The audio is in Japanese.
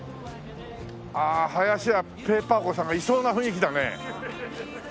ああ林家ペー・パー子さんがいそうな雰囲気だね。